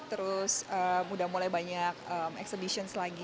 terus sudah mulai banyak ekshibisi lagi